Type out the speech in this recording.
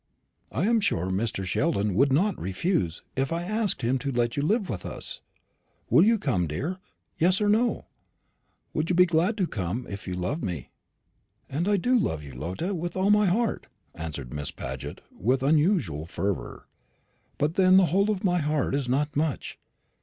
I am sure Mr. Sheldon would not refuse, if I asked him to let you live with us. Will you come, dear? yes or no. You would be glad to come, if you loved me." "And I do love you, Lotta, with all my heart," answered Miss Paget, with unusual fervour; "but then the whole of my heart is not much.